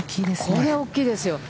これは大きいですよ。